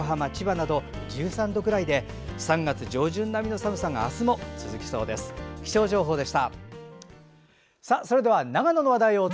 最高気温は東京都心横浜、千葉など１３度くらいで３月上旬並みの寒さがあすも続きそうです。